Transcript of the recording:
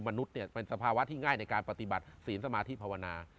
มนุษย์เป็นสภาวะที่ง่ายในการปฏิบัติศีลสมาธิภาวนา